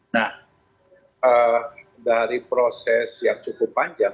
nah dari proses yang cukup panjang